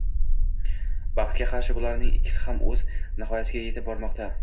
Baxtga qarshi bularning ikkisi ham o‘z nihoyasiga yetib bormoqda.